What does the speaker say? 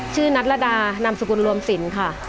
นัทรดานามสกุลรวมสินค่ะ